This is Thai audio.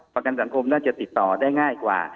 ประกันสังคมน่าจะติดต่อได้ง่ายกว่า